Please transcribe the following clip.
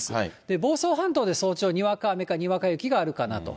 房総半島で早朝にわか雨かにわか雪があるかなと。